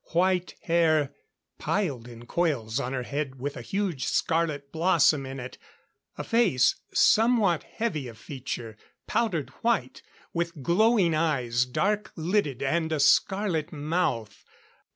White hair piled in coils on her head, with a huge, scarlet blossom in it. A face, somewhat heavy of feature, powdered white; with glowing eyes, dark lidded; and a scarlet mouth.